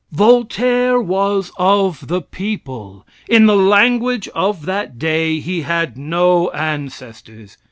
Voltaire was of the people. In the language of that day, he had no ancestors.